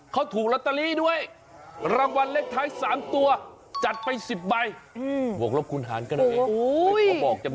เขาถูกละตะลีด้วยรางวัลเล็กท้าย๓ตัวจัดไป๑๐ใบหวกรบคุณฮานก็ได้